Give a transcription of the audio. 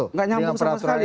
tidak nyambung sama sekali